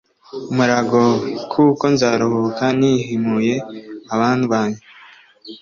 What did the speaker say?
Muragowe! Kuko nzaruhuka nihimuye abandwanya,